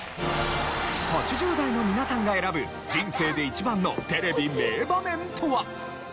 ８０代の皆さんが選ぶ人生で１番のテレビ名場面とは？